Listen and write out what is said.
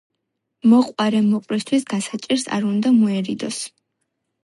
მოყვარე მოყვრისთვის გასაჭირს არ უნდა მოერიდოს.